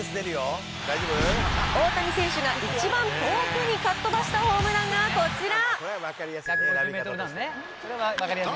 大谷選手が一番遠くにかっ飛ばしたホームランがこちら。